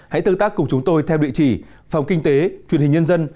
hãy tương tác cùng chúng tôi theo địa chỉ phòng kinh tế truyền hình nhân dân